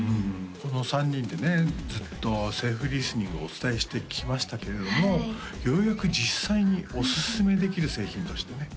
この３人でねずっとセーフリスニングをお伝えしてきましたけれどもようやく実際におすすめできる製品としてね